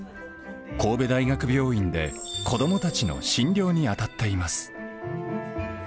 神戸大学病院で、子どもたちの診療に当たっています。